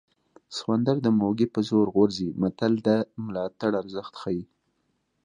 سخوندر د موږي په زور غورځي متل د ملاتړ ارزښت ښيي